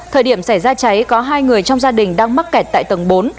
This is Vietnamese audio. thời điểm xảy ra cháy có hai người trong gia đình đang mắc kẹt tại tầng bốn